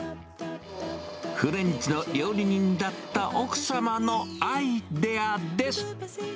フレンチの料理人だった奥様のアイデアです。